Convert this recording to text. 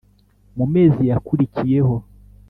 mu mezi yakurikiyeho,